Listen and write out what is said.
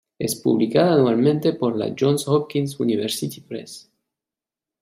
Es publicada anualmente por la Johns Hopkins University Press.